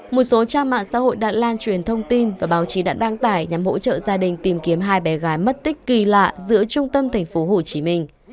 một số trang mạng xã hội đã lan truyền thông tin và báo chí đã đăng tải nhằm hỗ trợ gia đình tìm kiếm hai bé gái mất tích kỳ lạ giữa trung tâm tp hcm